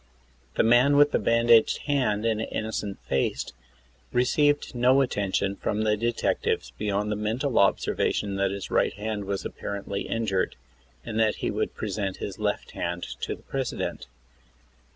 The man with the bandaged hand and innocent face received no atten tion from the detectives beyond the mental observation that his right hand was apparently injured, and that he would present his left hand to the President.